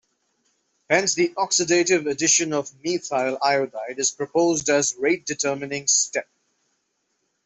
Hence the oxidative addition of methyl iodide is proposed as rate-determining step.